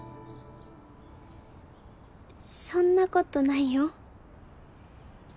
そんなことないよ